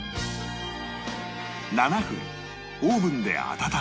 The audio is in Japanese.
７分オーブンで温め